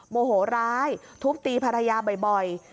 โมโหร้ายทุบตีภรรยาบ่อย